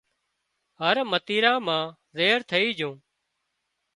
هر متيرا مان زهر ٿئي جھون